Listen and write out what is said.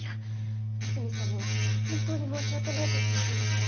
八海さんには本当に申し訳ないことしました。